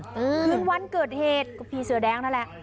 คืนวันเกิดเหตุก็พี่เสือแดงนั่นแหละ